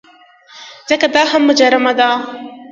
ځکه دا هم مجرمه ده.